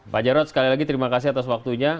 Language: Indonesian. pak jarod sekali lagi terima kasih atas waktunya